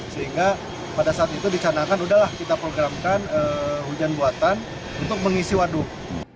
sehingga pada saat itu dicanangkan udahlah kita programkan hujan buatan untuk mengisi waduk